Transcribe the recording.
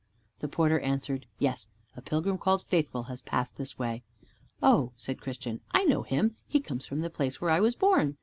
The porter answered, "Yes, a pilgrim called Faithful has passed this way." "Oh," said Christian, "I know him. He comes from the place where I was born.